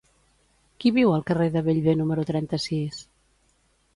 Qui viu al carrer de Bellver número trenta-sis?